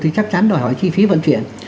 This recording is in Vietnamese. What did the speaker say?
thì chắc chắn đòi hỏi chi phí vận chuyển